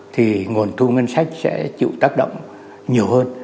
thì nguồn thu ngân sách sẽ chịu tác động nhiều hơn